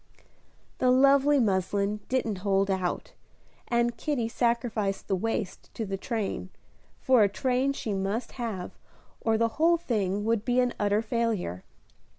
The lovely muslin didn't hold out, and Kitty sacrificed the waist to the train, for a train she must have or the whole thing would be an utter failure.